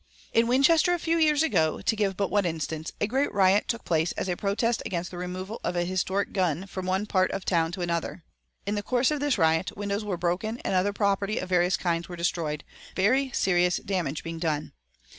In Winchester a few years ago, to give but one instance, a great riot took place as a protest against the removal of a historic gun from one part of the town to another. In the course of this riot windows were broken and other property of various kinds was destroyed, very serious damage being done.